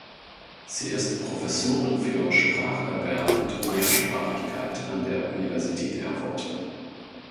Sie ist Professorin für Spracherwerb und Mehrsprachigkeit an der Universität Erfurt.